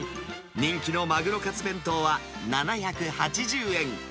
人気のマグロカツ弁当は７８０円。